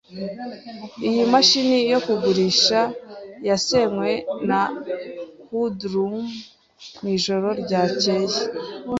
Iyi mashini yo kugurisha yasenywe na hoodlums mwijoro ryakeye.